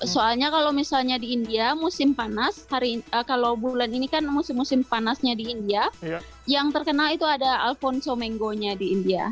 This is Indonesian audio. soalnya kalau misalnya di india musim panas kalau bulan ini kan musim musim panasnya di india yang terkenal itu ada alphon somengo nya di india